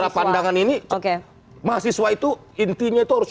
jadi pandangan ini mahasiswa itu intinya itu harus